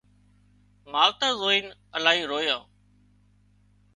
ماوتر زوئينَ الاهي رويان